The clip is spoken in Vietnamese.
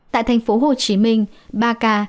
tại tp hcm ba ca